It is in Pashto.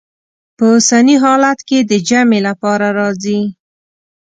په اوسني حالت کې د جمع لپاره راځي.